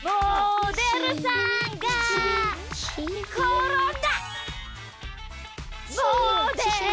モデルさんがころんだ！